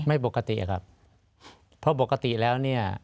ไม่ปกติครับเพราะปกติแล้ว